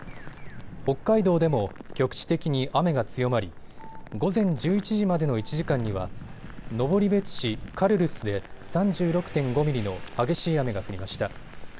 北海道でも局地的に雨が強まり午前１１時までの１時間には登別市カルルスで３６．５ミリの激しい雨が降りました。